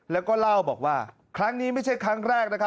แล้วก็เล่าบอกว่าครั้งนี้ไม่ใช่ครั้งแรกนะครับ